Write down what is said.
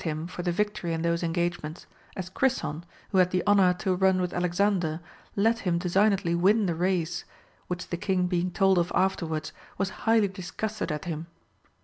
123 him for the victory in those engagements ; as Crisson, who had the honor to run with Alexander, let him designedly win the race, which the king being told of afterwards was highly disgusted at him.